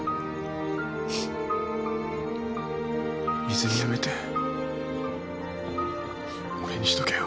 泉やめて俺にしとけよ。